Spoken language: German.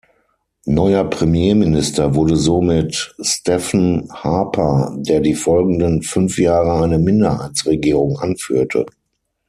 Neuer Premierminister wurde somit Stephen Harper, der die folgenden fünf Jahre eine Minderheitsregierung anführte.